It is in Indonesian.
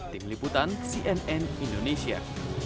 tim liputan cnn indonesia